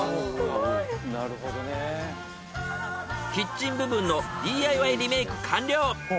キッチン部分のＤＩＹリメイク完了。